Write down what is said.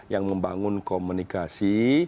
yang membangun komunikasi